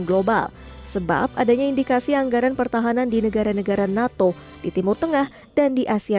global sebab adanya indikasi anggaran pertahanan di negara negara nato di timur tengah dan di asia